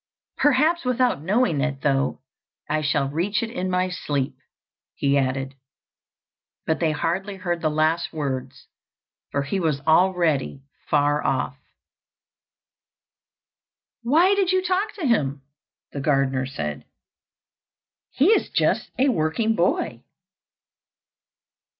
"Perhaps without knowing it, though, I shall reach it in my sleep," he added. But they hardly heard the last words, for he was already far off. "Why did you talk to him?" the gardener said. "He is just a working boy."